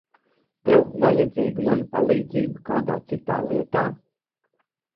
Tev vajadzīga mana palīdzība kādā citā lietā?